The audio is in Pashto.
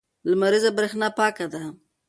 لمریزه برېښنا پاکه ده.